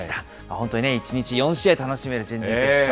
本当に１日４試合楽しめる準々決勝。